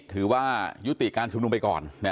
ถือว่ายุติการชุมนุมไปก่อน